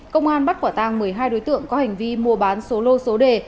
công an bắt quả tăng một mươi hai đối tượng có hành vi mua bán số lô số đề